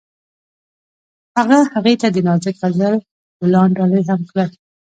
هغه هغې ته د نازک غزل ګلان ډالۍ هم کړل.